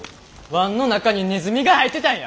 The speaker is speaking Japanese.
椀の中にネズミが入ってたんや！